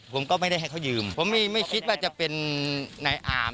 ผมก็ไม่ได้ให้เขายืมผมไม่คิดว่าจะเป็นนายอาม